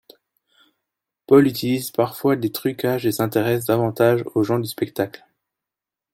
Paul utilise parfois des trucages et s'intéresse davantage aux gens du spectacle.